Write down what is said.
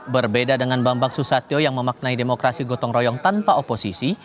berbeda dengan bambang susatyo yang memaknai demokrasi gotong royong tanpa oposisi